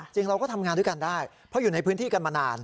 จริงเราก็ทำงานด้วยกันได้เพราะอยู่ในพื้นที่กันมานาน